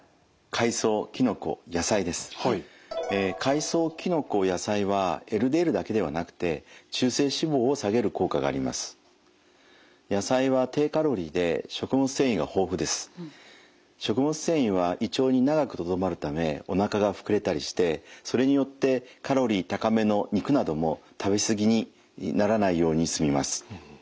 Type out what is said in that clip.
海藻きのこ野菜はＬＤＬだけではなくて食物繊維は胃腸に長くとどまるためおなかが膨れたりしてそれによってカロリー高めの肉なども食べ過ぎにならないようにすみます。